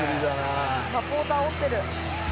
サポーターあおってる。